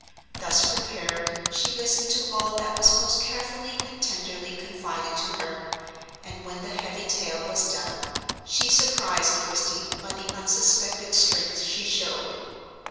Thus prepared, she listened to all that was most carefully and tenderly confided to her, and, when the heavy tale was done, she surprised Christie by the unsuspected strength she showed.